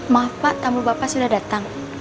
maaf pak tamu bapak sudah datang